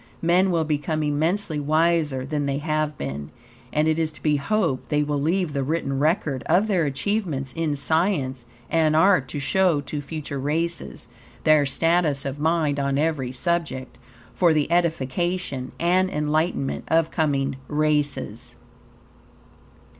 Men will become immensely wiser than they have been, and it is to be hoped they will leave the written record of their achievements in science and art to show to future races their status of mind on every subject for the edification and enlightenment of coming races.